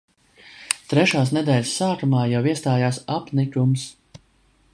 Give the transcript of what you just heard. Trešās nedēļas sākumā jau iestājās apnikums.